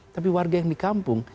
tapi warga yang di kampung